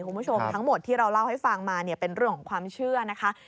คุณผู้ชมทั้งหมดที่เราเล่าให้ฟังมาเนี่ยเป็นเรื่องของความเชื่อนะคะ